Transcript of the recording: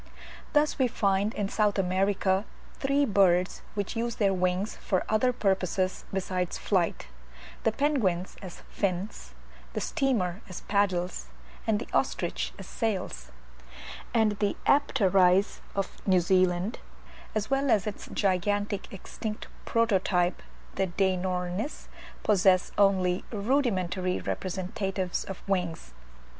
Thus we find in South America three birds which use their wings for other purposes besides flight; the penguins as fins, the steamer as paddles, and the ostrich as sails: and the Apteryz of New Zealand, as well as its gigantic extinct prototype the Deinornis, possess only rudimentary representatives of wings.